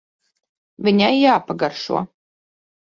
Viņai jāpagaršo.